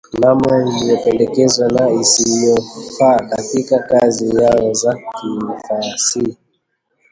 namna isiyopendeza na isiyofaa katika kazi zao za kifasihi